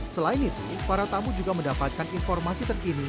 selain itu para tamu juga mendapatkan informasi terkini